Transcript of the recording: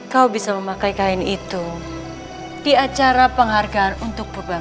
kau bisa memakai kain itu di acara penghargaan untuk perubahan